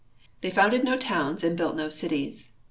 They founded no towns and built no cities.